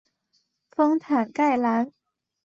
丰坦盖兰。